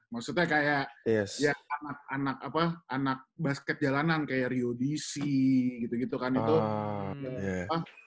maksudnya kayak anak anak apa anak basket jalanan kayak rio dc gitu gitu kan itu